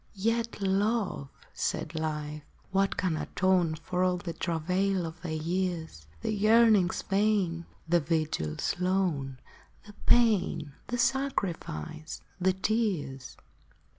" Yet, Love," said Life, " what can atone For all the travail of thy years — The yearnings vain, the vigils lone, The pain, the sacrifice, the tears